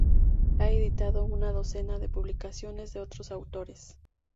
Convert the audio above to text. Ha editado una docena de publicaciones de otros autores.